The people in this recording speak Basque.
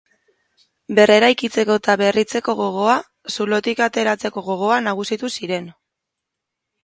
Berreraikitzeko eta berritzeko gogoa, zulotik ateratzeko gogoa nagusitu ziren.